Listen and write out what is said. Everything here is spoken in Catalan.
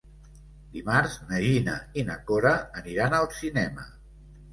Dimarts na Gina i na Cora aniran al cinema.